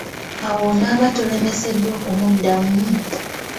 Awo onaaba tolemeseddwa okumuddamu?